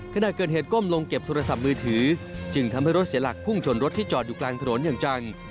ขณะเกิดเหตุก้มลงเก็บโทรศัพท์มือถือจึงทำให้รถเสียหลักพุ่งชนรถที่จอดอยู่กลางถนนอย่างจัง